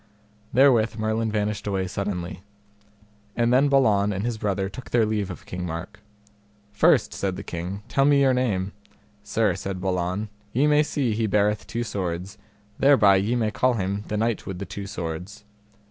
Therewith Merlin vanished away suddenly. And then Balan and his brother took their leave of King Mark. First, said the king, tell me your name. Sir, said Balan, ye may see he beareth two swords, thereby ye may call him the Knight with the Two Swords.